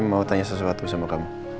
mau tanya sesuatu sama kamu